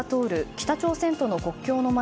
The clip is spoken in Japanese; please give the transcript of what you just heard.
北朝鮮との国境の街